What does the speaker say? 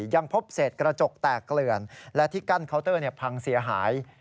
ยังพบเศษกระจกแตกเกลื่อนและที่กั้นเคาน์เตอร์พังเสียหาย